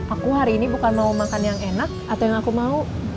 aku hari ini bukan mau makan yang enak atau yang aku mau